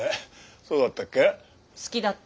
そうだったっけ。